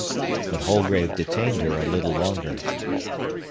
But Holgrave detained her a little longer.